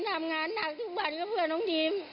ทำงานหนักทุกวัน